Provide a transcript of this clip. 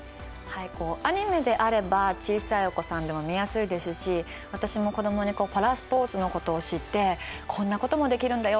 アニメであれば小さいお子さんでも見やすいですし私も子どもにパラスポーツのことを知ってこんなこともできるんだよ